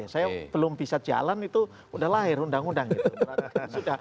saya belum bisa jalan itu udah lahir undang undang gitu